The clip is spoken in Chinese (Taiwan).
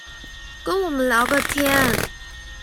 跟我們聊個天